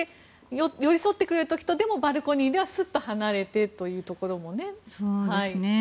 寄り添ってくれる時とでもバルコニーではスッと離れてというところもね。